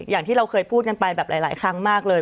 อย่างที่เราเคยพูดกันไปแบบหลายครั้งมากเลย